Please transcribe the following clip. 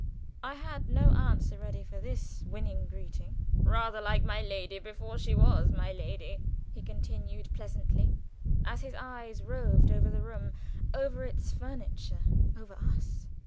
I had no answer ready for this winning greeting. "Rather like my lady before she was my lady," he continued, pleasantly, as his eyes roved over the room, over its furniture, over us.